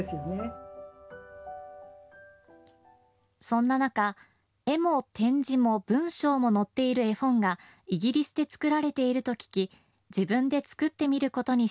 そんな中、絵も点字も文章も載っている絵本がイギリスで作られていると聞き、自分で作ってみることに